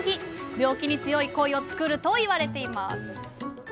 病気に強いコイを作るといわれています。